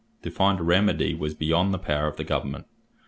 To find a remedy was beyond the power of the government.